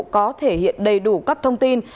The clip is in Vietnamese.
có thể hiện đầy đủ các thông tin